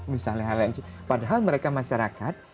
misalnya hal lain padahal mereka masyarakat